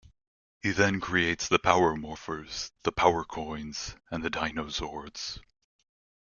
He then creates the Power Morphers, the Power Coins and the Dinozords.